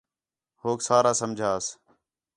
ہوک سارا سمجھاس